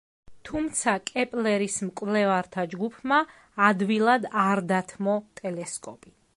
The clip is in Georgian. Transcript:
თუმცა, კეპლერის მკვლევართა ჯგუფმა ადვილად არ დათმო ტელესკოპი.